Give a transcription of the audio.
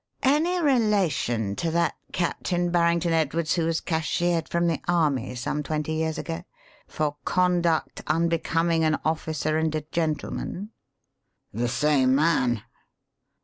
"Any relation to that Captain Barrington Edwards who was cashiered from the army some twenty years ago for 'conduct unbecoming an officer and a gentleman'?" "The same man!"